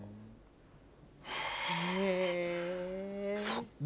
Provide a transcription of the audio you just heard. そっか。